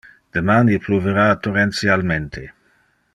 Deman il pluvera torrentialmente.